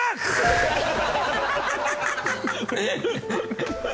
ハハハハ！